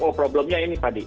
oh problemnya ini tadi